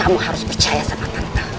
kamu harus percaya sama tante